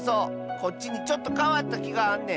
こっちにちょっとかわったきがあんねん。